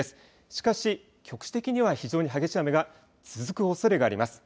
しかし局地的には非常に激しい雨が続くおそれがあります。